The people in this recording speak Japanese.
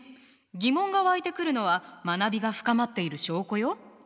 疑問が湧いてくるのは学びが深まっている証拠よ。